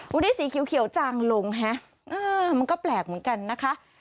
วันนี้สีเขียวจางลงฮะมันก็แปลกเหมือนกันนะคะ